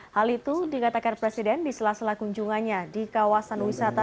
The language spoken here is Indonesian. hal itu dikatakan presiden di sela sela kunjungannya di kawasan wisata